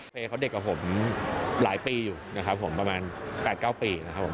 เขาเด็กกับผมหลายปีอยู่นะครับผมประมาณ๘๙ปีนะครับผม